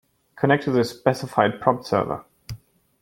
Connect to the specified prompt server.